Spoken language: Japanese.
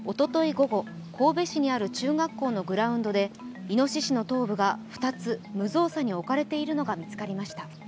午後、神戸市にある中学校のグラウンドでいのししの頭部が２つ無造作に置かれているのが見つかりました。